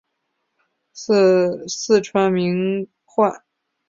祀四川名宦。